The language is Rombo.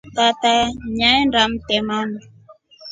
Tata nyaenda mtemani.